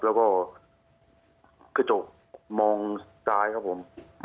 แล้วก็กระจกมองซ้ายครับผม